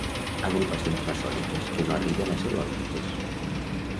Agrupacions maçòniques que no arriben a ser lògiques.